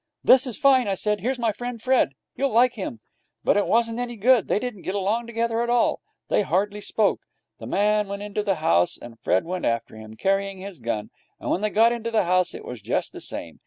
'This is fine!' I said 'Here's my friend Fred. You'll like him.' But it wasn't any good. They didn't get along together at all. They hardly spoke. The man went into the house, and Fred went after him, carrying his gun. And when they got into the house it was just the same.